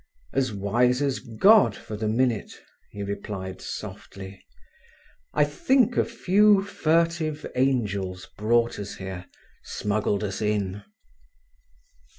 "As wise as God for the minute," he replied softly. "I think a few furtive angels brought us here—smuggled us in."